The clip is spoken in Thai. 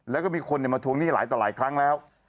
แล้วก็มีคนมาทวงหนี้หลายต่อหลายครั้งแล้ว